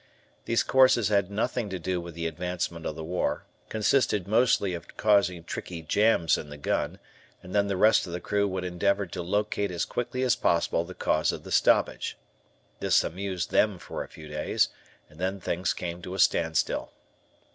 These courses had nothing to do with the advancement of the war, consisted mostly of causing tricky jams in the gun, and then the rest of the crew would endeavor to locate as quickly as possible the cause of the stoppage. This amused them for a few days and then things came to a standstill.